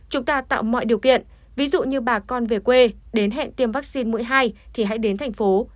chúng ta tạo mọi điều kiện ví dụ như bà con về quê đến hẹn tiêm vaccine mũi hai thì hãy đến thành phố